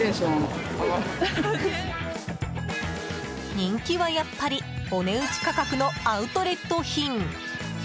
人気は、やっぱりお値打ち価格のアウトレット品。